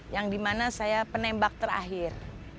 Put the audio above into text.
yang dimana saya penembak terakhir